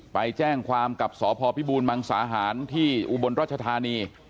ไปแจ้งความกับสพพิบูรมังสาหารที่อุบลรัชธานี